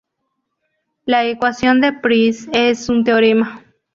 La ecuación de Price es un teorema.